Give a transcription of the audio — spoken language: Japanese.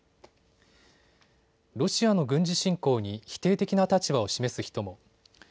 ロシアの軍事侵攻に否定的な立場を示す人も。